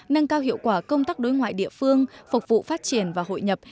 nâng cao hiệu quả công tác đối ngoại địa phương phục vụ phát triển và hội nhập